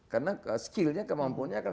karena skillnya kemampuannya